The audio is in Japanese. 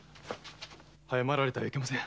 早まられてはいけません。